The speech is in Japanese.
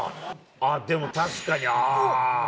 あっ、でも、確かにあー！